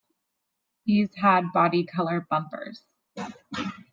These had body color bumpers.